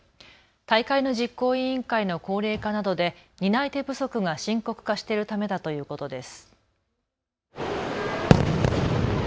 大会の実行委員会の高齢化などで担い手不足が深刻化しているためだということです。